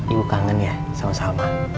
ibu kangen ya sama sama